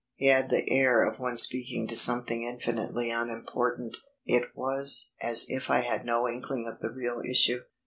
He had the air of one speaking to something infinitely unimportant. It was as if I had no inkling of the real issue.